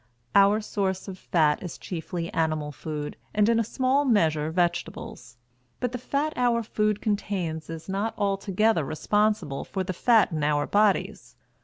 Our source of fat is chiefly animal food and in a smaller measure vegetables; but the fat our food contains is not altogether responsible for the fat in our bodies.